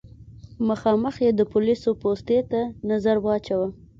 مخامخ يې د پوليسو پوستې ته نظر واچوه.